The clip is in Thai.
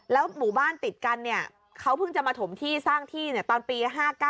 หมู่บ้านติดกันเขาเพิ่งจะมาถมที่สร้างที่ตอนปี๕๙